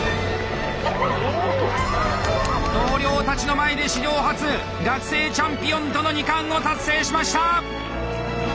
同僚たちの前で史上初学生チャンピオンとの２冠を達成しました！